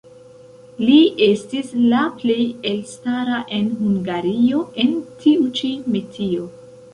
Li estis la plej elstara en Hungario en tiu ĉi metio.